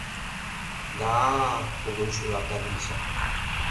— Да-а, — кугун шӱлалта Гриша.